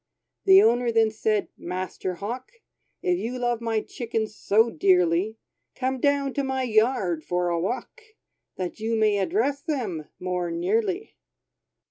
The owner then said, "Master Hawk, If you love my chickens so dearly, Come down to my yard for a walk, That you may address them more nearly."